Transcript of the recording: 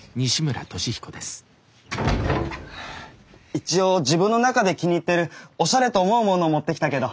一応自分の中で気に入ってるおしゃれと思うものを持ってきたけど。